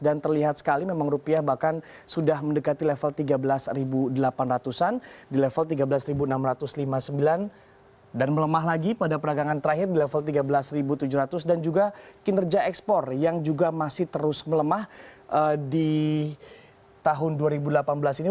dan terlihat sekali memang rupiah bahkan sudah mendekati level tiga belas delapan ratus an di level tiga belas enam ratus lima puluh sembilan dan melemah lagi pada peragangan terakhir di level tiga belas tujuh ratus dan juga kinerja ekspor yang juga masih terus melemah di tahun dua ribu delapan belas ini